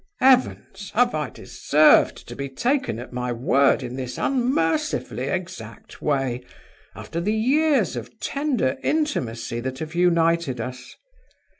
Heavens! have I deserved to be taken at my word in this unmercifully exact way, after the years of tender intimacy that have united us?